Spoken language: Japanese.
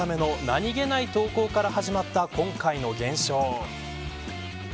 なにげない投稿から始まった今回の現象。